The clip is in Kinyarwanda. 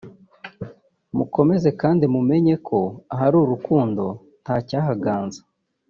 mukomeze kandi mumenye ko ahari urukundo nta cyahaganza